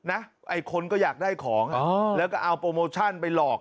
ไอ้คนก็อยากได้ของแล้วก็เอาโปรโมชั่นไปหลอก